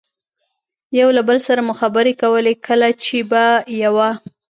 یو له بل سره مو خبرې کولې، کله چې به یوه.